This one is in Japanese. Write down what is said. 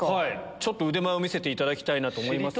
ちょっと腕前を見せていただきたいと思います。